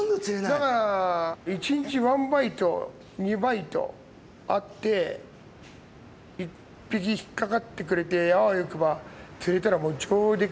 だから１日１バイト２バイトあって１匹引っ掛かってくれてあわよくば釣れたらもう上出来じゃないですか。